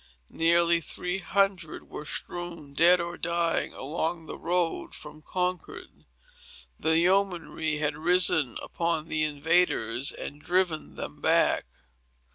Nearly three hundred were strewn, dead or dying, along the road from Concord. The yeomanry had risen upon the invaders, and driven them back."